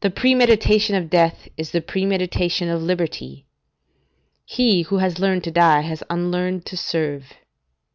The premeditation of death is the premeditation of liberty; he who has learned to die has unlearned to serve.